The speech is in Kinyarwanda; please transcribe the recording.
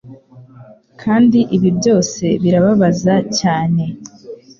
Kandi ibi byose birababaza cyane